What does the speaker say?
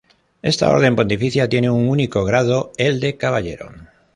Esta orden pontificia tiene un único grado, el de Caballero.